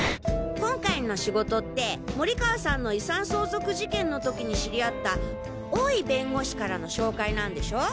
今回の仕事って森川さんの遺産相続事件の時に知り合った大井弁護士からの紹介なんでしょ？